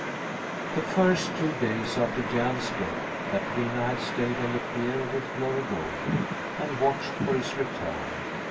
The first two days after Jan's death Katrina had stayed on the pier with Glory Goldie, and watched for his return.